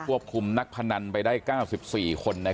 คุมนักพนันไปได้๙๔คน